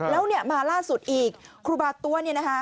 แล้วมาล่าสุดอีกครูบาตัว